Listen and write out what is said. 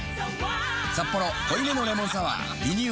「サッポロ濃いめのレモンサワー」リニューアル